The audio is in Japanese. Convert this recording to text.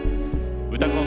「うたコン」